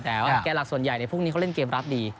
แต่ว่าแก่หลักส่วนใหญ่พวกนี้เขาเล่นเกมรับดี